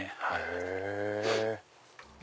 へぇ！